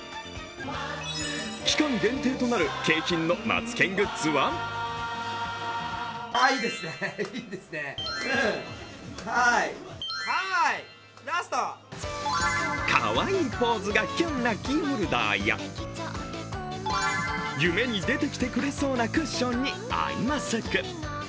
期間限定となる景品のマツケングッズはかわいいポーズがキュンなキーホルダーや夢に出てきてくれそうなクッションにアイマスク。